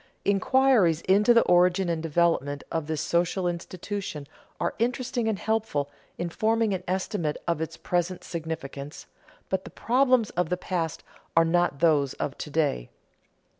Inquiries into the origin and development of this social institution are interesting and helpful in forming an estimate of its present significance, but the problems of the past are not those of to day.